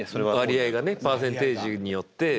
割合がねパーセンテージによって。